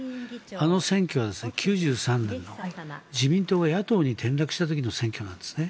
あの選挙は９３年の自民党が野党に転落した時の選挙なんですね。